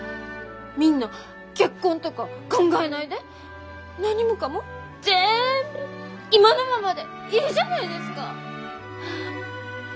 みんな結婚とか考えないで何もかも全部今のままでいいじゃないですか！